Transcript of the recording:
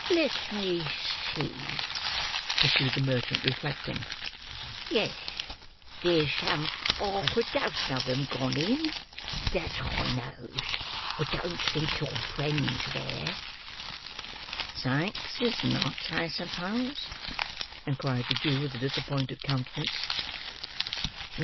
"Let me see," pursued the merchant, reflecting. "Yes, there's some half dozen of 'em gone in, that I knows. I don't think your friend's there." "Sikes is not, I suppose?" inquired the Jew, with a disappointed countenance.